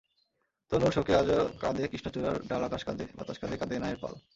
তনুর শোকে আজও কাঁদে কৃষ্ণচূড়ার ডালআকাশ কাঁদে, বাতাস কাঁদে, কাঁদে নায়ের পাল।